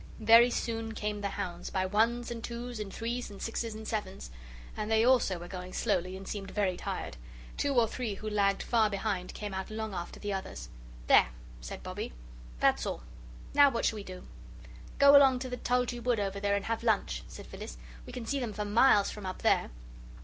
Very soon came the hounds by ones and twos and threes and sixes and sevens and they also were going slowly and seemed very tired. Two or three who lagged far behind came out long after the others. "There," said Bobbie, "that's all now what shall we do?" "Go along into the tulgy wood over there and have lunch," said Phyllis; "we can see them for miles from up here."